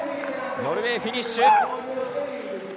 ノルウェー、フィニッシュ。